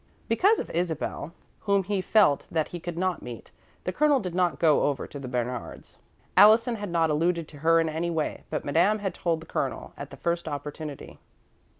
Because of Isabel, whom he felt that he could not meet, the Colonel did not go over to Bernard's. Allison had not alluded to her in any way, but Madame had told the Colonel at the first opportunity.